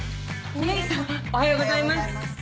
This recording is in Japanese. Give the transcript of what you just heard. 峰岸さんおはようございます。